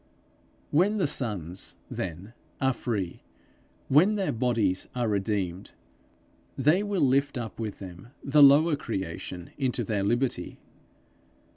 When the sons, then, are free, when their bodies are redeemed, they will lift up with them the lower creation into their liberty.